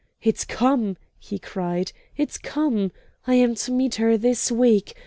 "It's come!" he cried "it's come! I am to meet her this week.